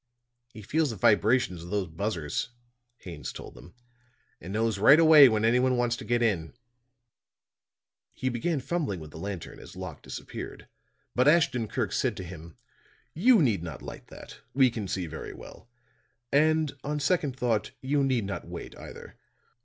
"He feels the vibrations of those buzzers," Haines told them, "and knows right away when anyone wants to get in." He began fumbling with the lantern as Locke disappeared; but Ashton Kirk said to him: "You need not light that. We can see very well. And, on second thought, you need not wait, either.